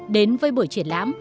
đến với buổi triển lãm